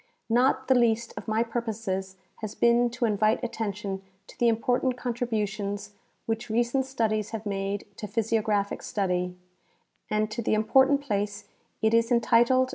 Not the least of my purposes has been to invite attention to the important contributions which recent studies have made to physiographic study, and to the important place it is entitled 160 T.